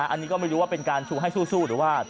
อันนี้ก็ไม่รู้ว่าเป็นการชูให้สู้หรือว่า